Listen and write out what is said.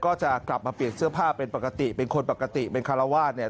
ก็จะกลับมาเปลี่ยนเสื้อผ้าเป็นปกติเป็นคนปกติเป็นคารวาสเนี่ย